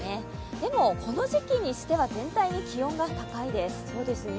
でもこの時期にしては全体に気温が高いです。